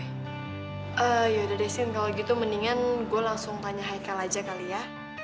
eee yaudah deh sien kalo gitu mendingan gue langsung tanya heikal aja kali ya